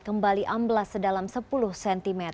kembali amblas sedalam sepuluh cm